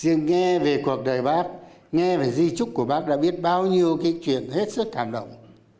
riêng nghe về cuộc đời bác nghe về di trúc của bác đã biết bao nhiêu cái chuyện hết sức cảm động